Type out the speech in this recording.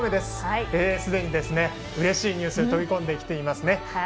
すでに、うれしいニュースが飛び込んできています。